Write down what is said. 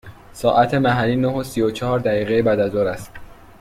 ساعت محلی نه و سی و چهار دقیقه بعد از ظهر است.